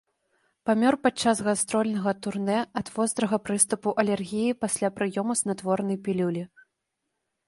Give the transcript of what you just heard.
Памёр падчас гастрольнага турнэ ад вострага прыступу алергіі пасля прыёму снатворнай пілюлі.